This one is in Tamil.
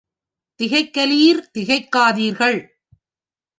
திகைக்கலீர் — திகைக்காதீர்கள்.